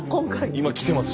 今来てます